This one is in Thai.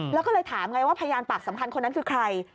แล้วก็เลยถามไงว่าพยานปากสำคัญคนนั้นคือใคร